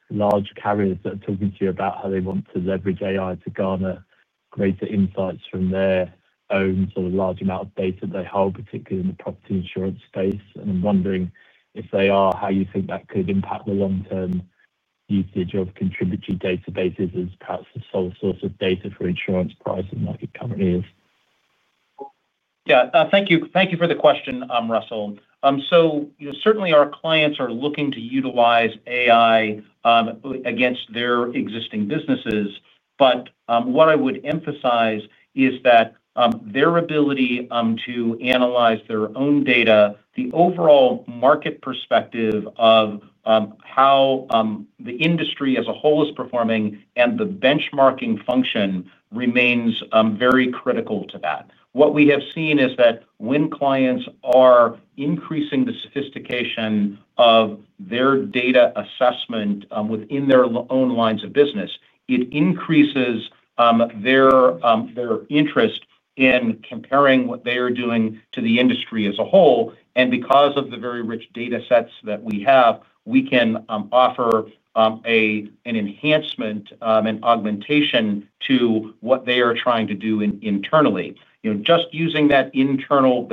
large carriers that are talking to you about how they want to leverage AI to garner greater insights from their own sort of large amount of data that they hold, particularly in the property insurance space? I'm wondering if they are, how you think that could impact the long-term usage of contributory databases as perhaps the sole source of data for insurance pricing like it currently is. Yeah, thank you. Thank you for the question, Russell. Certainly our clients are looking to utilize AI against their existing businesses. What I would emphasize is that their ability to analyze their own data, the overall market perspective of how the industry as a whole is performing, and the benchmarking function remains very critical to that. What we have seen is that when clients are increasing the sophistication of their data assessment within their own lines of business, it increases their interest in comparing what they are doing to the industry as a whole. Because of the very rich data sets that we have, we can offer an enhancement and augmentation to what they are trying to do internally. Just using that internal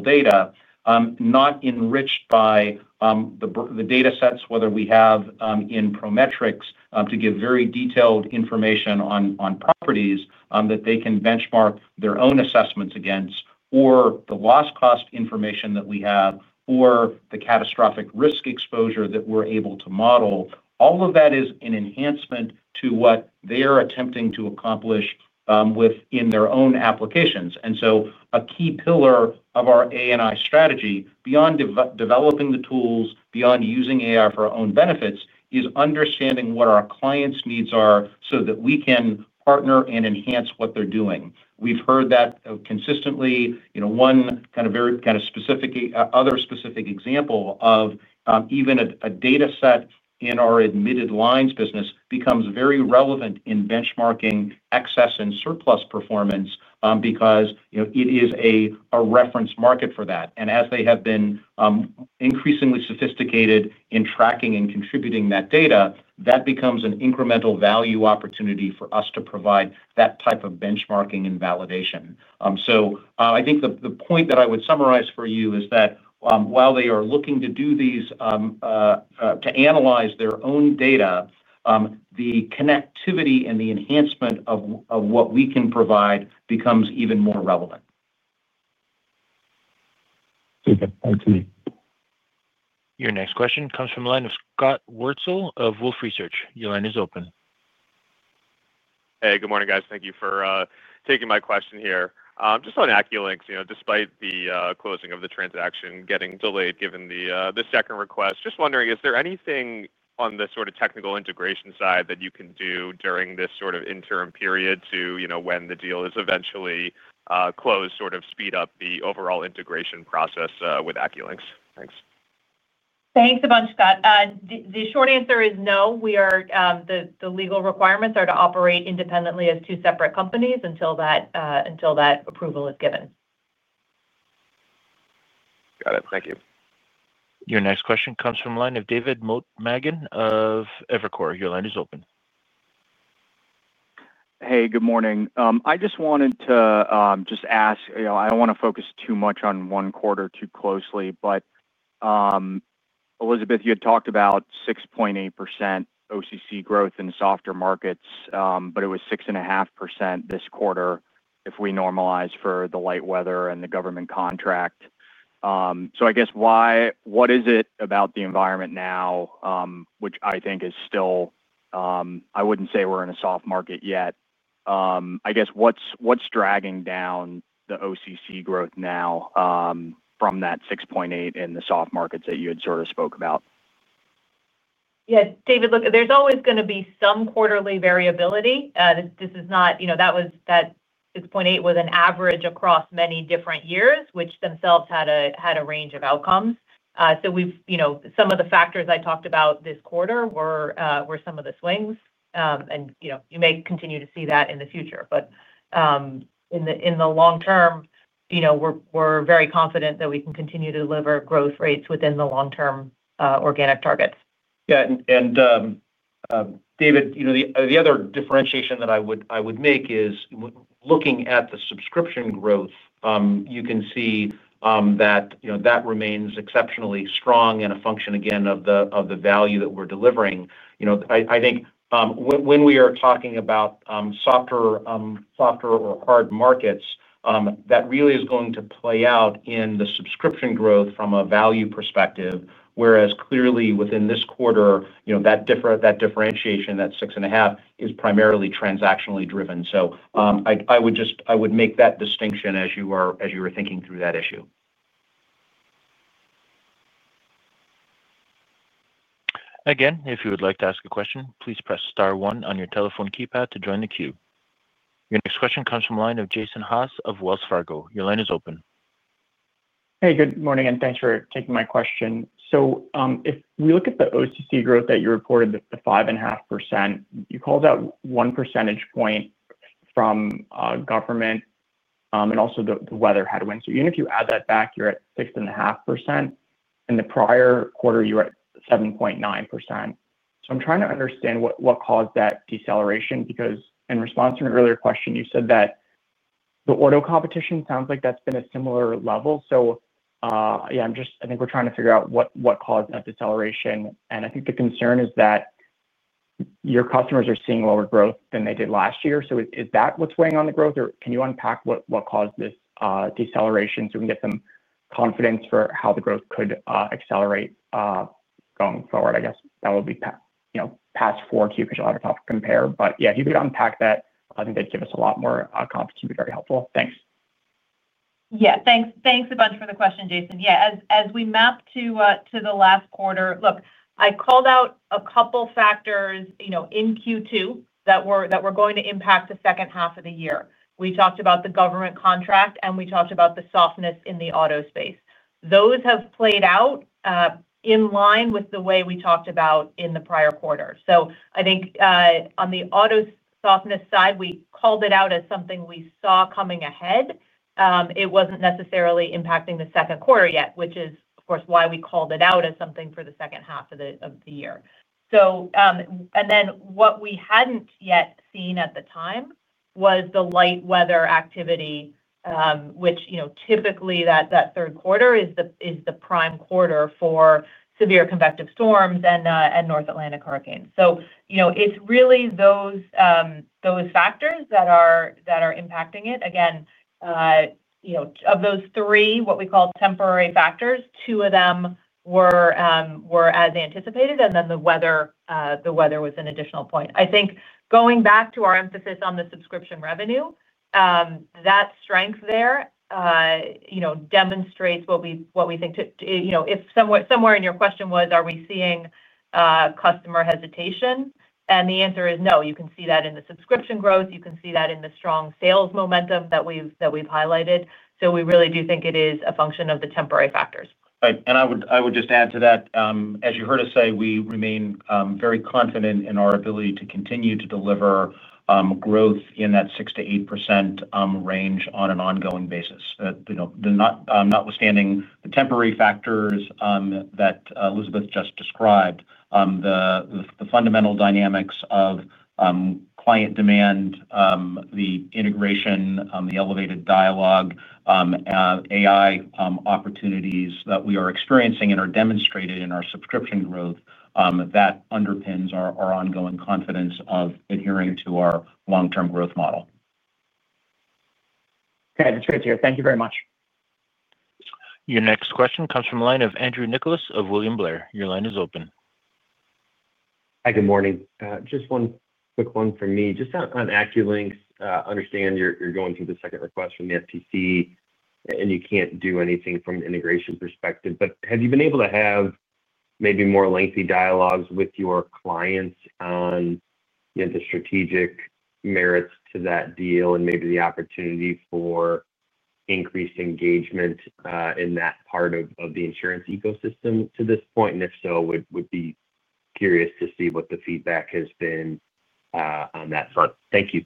data, not enriched by the data sets, whether we have in Prometrics to give very detailed information on properties that they can benchmark their own assessments against, or the loss cost information that we have, or the catastrophic risk exposure that we're able to model, all of that is an enhancement to what they are attempting to accomplish within their own applications. A key pillar of our AI strategy, beyond developing the tools, beyond using AI for our own benefits, is understanding what our clients' needs are so that we can partner and enhance what they're doing. We've heard that consistently. One kind of very specific other specific example of even a data set in our admitted lines business becomes very relevant in benchmarking excess and surplus performance because it is a reference market for that. As they have been increasingly sophisticated in tracking and contributing that data, that becomes an incremental value opportunity for us to provide that type of benchmarking and validation. I think the point that I would summarize for you is that while they are looking to do these to analyze their own data, the connectivity and the enhancement of what we can provide becomes even more relevant. Super. Thanks, Lee. Your next question comes from the line of Scott Wurtzel of Wolfe Research. Your line is open. Hey, good morning, guys. Thank you for taking my question here. Just on AccuLynx, despite the closing of the transaction getting delayed given the second request, just wondering, is there anything on the sort of technical integration side that you can do during this sort of interim period to, you know, when the deal is eventually closed, sort of speed up the overall integration process with AccuLynx? Thanks. Thanks a bunch, Scott. The short answer is no. The legal requirements are to operate independently as two separate companies until that approval is given. Got it. Thank you. Your next question comes from the line of David Motemaden of Evercore. Your line is open. Hey, good morning. I just wanted to ask, you know, I don't want to focus too much on one quarter too closely, but Elizabeth, you had talked about 6.8% OCC growth in softer markets, but it was 6.5% this quarter if we normalize for the light weather and the government contract. I guess why? What is it about the environment now, which I think is still, I wouldn't say we're in a soft market yet? I guess what's dragging down the OCC growth now from that 6.8% in the soft markets that you had sort of spoke about? Yeah, David, look, there's always going to be some quarterly variability. This is not, you know, that was that 6.8% was an average across many different years, which themselves had a range of outcomes. Some of the factors I talked about this quarter were some of the swings. You may continue to see that in the future. In the long term, you know, we're very confident that we can continue to deliver growth rates within the long-term organic targets. Yeah. David, the other differentiation that I would make is looking at the subscription growth, you can see that remains exceptionally strong and a function, again, of the value that we're delivering. I think when we are talking about softer or hard markets, that really is going to play out in the subscription growth from a value perspective, whereas clearly within this quarter, that differentiation, that 6.5%, is primarily transactionally driven. I would just make that distinction as you were thinking through that issue. Again, if you would like to ask a question, please press star one on your telephone keypad to join the queue. Your next question comes from the line of Jason Haas of Wells Fargo. Your line is open. Hey, good morning, and thanks for taking my question. If we look at the OCC growth that you reported, the 5.5%, you called out 1% from government and also the weather headwind. Even if you add that back, you're at 6.5%. In the prior quarter, you were at 7.9%. I'm trying to understand what caused that deceleration because in response to an earlier question, you said that the auto competition sounds like that's been a similar level. I'm just, I think we're trying to figure out what caused that deceleration. I think the concern is that your customers are seeing lower growth than they did last year. Is that what's weighing on the growth, or can you unpack what caused this deceleration so we can get some confidence for how the growth could accelerate going forward? I guess that would be past fourth quarter because you'll have to compare. If you could unpack that, I think that'd give us a lot more confidence. It'd be very helpful. Thanks. Yeah, thanks. Thanks a bunch for the question, Jason. As we map to the last quarter, look, I called out a couple of factors, you know, in Q2 that were going to impact the second half of the year. We talked about the government contract, and we talked about the softness in the auto space. Those have played out in line with the way we talked about in the prior quarter. I think on the auto softness side, we called it out as something we saw coming ahead. It wasn't necessarily impacting the second quarter yet, which is, of course, why we called it out as something for the second half of the year. What we hadn't yet seen at the time was the light weather activity, which, you know, typically that third quarter is the prime quarter for severe convective storms and North Atlantic hurricanes. It's really those factors that are impacting it. Again, you know, of those three, what we call temporary factors, two of them were as anticipated, and then the weather was an additional point. I think going back to our emphasis on the subscription revenue, that strength there demonstrates what we think. You know, if somewhere in your question was, are we seeing customer hesitation? The answer is no. You can see that in the subscription growth. You can see that in the strong sales momentum that we've highlighted. We really do think it is a function of the temporary factors. I would just add to that, as you heard us say, we remain very confident in our ability to continue to deliver growth in that 6% - 8% range on an ongoing basis. Notwithstanding the temporary factors that Elizabeth just described, the fundamental dynamics of client demand, the integration, the elevated dialogue, AI opportunities that we are experiencing, and are demonstrated in our subscription growth, underpin our ongoing confidence of adhering to our long-term growth model. Okay, that's great to hear. Thank you very much. Your next question comes from the line of Andrew Nicholas of William Blair. Your line is open. Hi, good morning. Just one quick one from me. Just on AccuLynx, I understand you're going through the second request from the FTC, and you can't do anything from an integration perspective. Have you been able to have maybe more lengthy dialogues with your clients on the strategic merits to that deal and maybe the opportunity for increased engagement in that part of the insurance ecosystem to this point? If so, I would be curious to see what the feedback has been on that front. Thank you.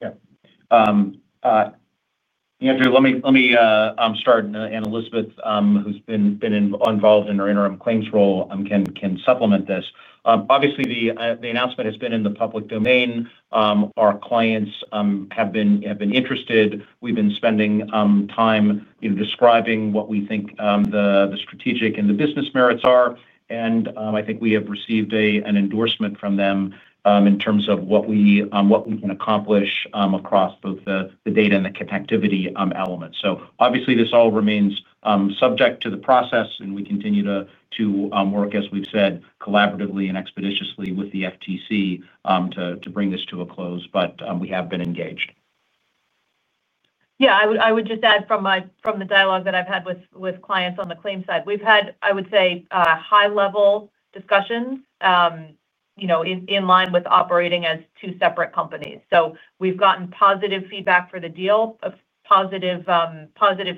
Yeah. Andrew, let me start. Elizabeth, who's been involved in our interim claims role, can supplement this. Obviously, the announcement has been in the public domain. Our clients have been interested. We've been spending time describing what we think the strategic and the business merits are. I think we have received an endorsement from them in terms of what we can accomplish across both the data and the connectivity element. This all remains subject to the process, and we continue to work, as we've said, collaboratively and expeditiously with the FTC to bring this to a close, but we have been engaged. I would just add from the dialogue that I've had with clients on the claims side, we've had, I would say, high-level discussions, in line with operating as two separate companies. We've gotten positive feedback for the deal, positive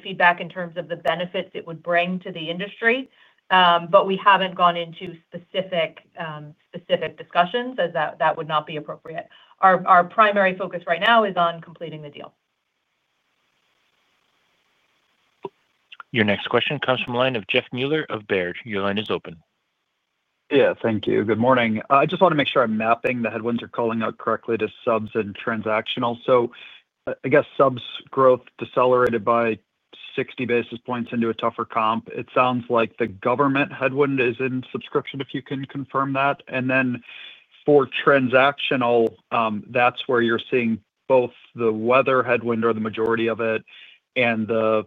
feedback in terms of the benefits it would bring to the industry, but we haven't gone into specific discussions as that would not be appropriate. Our primary focus right now is on completing the deal. Your next question comes from the line of Jeff Meuler of Baird. Your line is open. Yeah, thank you. Good morning. I just want to make sure I'm mapping the headwinds or calling out correctly to subs and transactional. I guess subs growth decelerated by 60 basis points into a tougher comp. It sounds like the government headwind is in subscription, if you can confirm that. For transactional, that's where you're seeing both the weather headwind or the majority of it, and the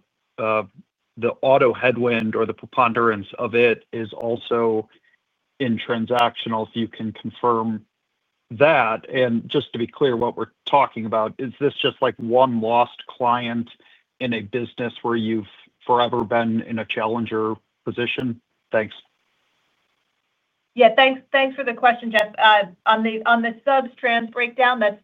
auto headwind or the preponderance of it is also in transactional, if you can confirm that. Just to be clear, what we're talking about, is this just like one lost client in a business where you've forever been in a challenger position? Thanks. Yeah, thanks for the question, Jeff. On the subs trans breakdown, that's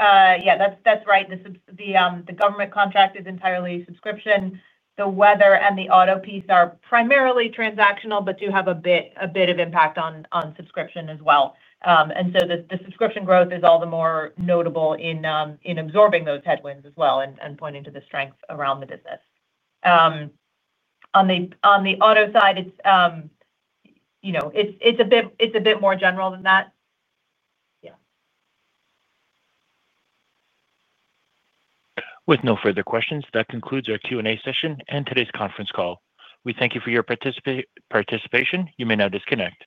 right. The government contract is entirely subscription. The weather and the auto piece are primarily transactional, but do have a bit of impact on subscription as well. The subscription growth is all the more notable in absorbing those headwinds as well and pointing to the strength around the business. On the auto side, it's a bit more general than that. With no further questions, that concludes our Q&A session and today's conference call. We thank you for your participation. You may now disconnect.